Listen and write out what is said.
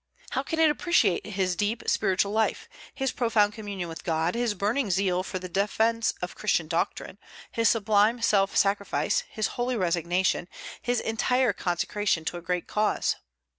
How can it appreciate his deep spiritual life, his profound communion with God, his burning zeal for the defence of Christian doctrine, his sublime self sacrifice, his holy resignation, his entire consecration to a great cause?